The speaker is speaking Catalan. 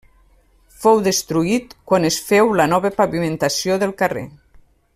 Fou destruït quan es féu la nova pavimentació del carrer.